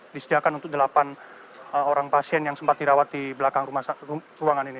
disediakan untuk delapan orang pasien yang sempat dirawat di belakang ruangan ini